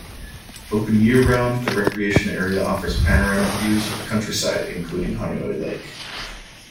Open year-round, the recreation area offers panoramic views of the countryside, including Honeoye Lake.